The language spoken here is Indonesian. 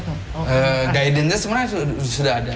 guidance nya sebenarnya sudah ada